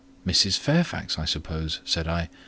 "Mrs. Fairfax, I suppose?" said I.